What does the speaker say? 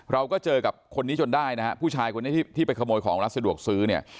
เราก็เจอกับคนนี้จนได้นะฮะผู้ชายคนนี้ที่ไปขโมยของร้านสะดวกซื้อเนี่ย